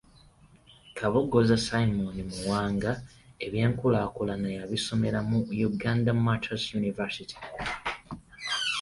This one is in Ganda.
Kabogoza Simon Muwanga eby'enkulaakulana yabisomera mu Uganda Martyrs University.